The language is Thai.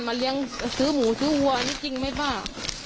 มาซื้อหมูซื้อหัวนี่จริงไม่ป้า